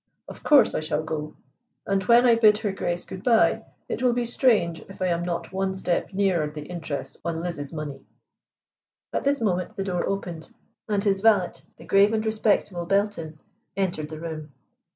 Of course I shall go, and when I bid Her Grace good bye it will be strange if I am not one step nearer the interest on Liz's money." At this moment the door opened, and his valet, the grave and respectable Belton, entered the room.